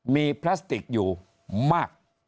มีพลาสติกอยู่มาก